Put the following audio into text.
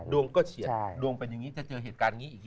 ดวงก็เฉียดดวงเป็นอย่างนี้ถ้าเจอเหตุการณ์อย่างนี้อีก